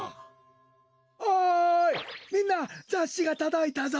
おいみんなざっしがとどいたぞ！